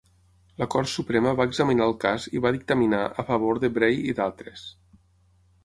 La Cort Suprema va examinar el cas i va dictaminar a favor de Bray i d'altres.